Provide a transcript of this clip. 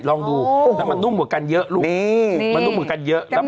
ล้องดูก็มันนุ่มกันเยอะอีกวางแล้วสบาย